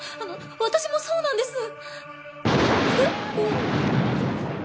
私もそうなんです。